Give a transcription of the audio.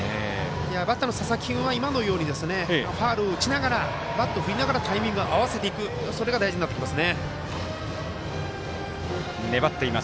バッターの佐々木君は今のようにファウルを打ちながらバットを振りながらタイミング合わせていくのが大事になってきます。